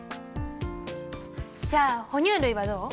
じゃあ哺乳類はどう？